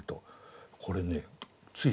これねつい